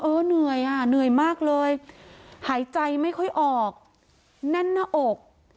เหนื่อยมากเลยหายใจไม่ค่อยออกแน่นออก